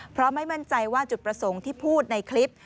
เพราะไม่มั่นใจว่าจุดประสงค์ที่พูดในคลิป